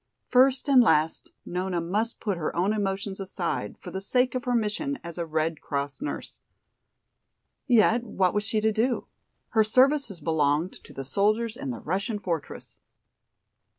First and last Nona must put her own emotions aside, for the sake of her mission as a Red Cross nurse. Yet what was she to do? Her services belonged to the soldiers in the Russian fortress.